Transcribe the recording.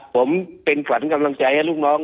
ผมเป็นขวัญกำลังใจให้ลูกน้อง